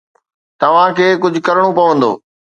توهان کي ڪجهه ڪرڻو پوندو.